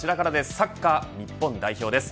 サッカー日本代表です。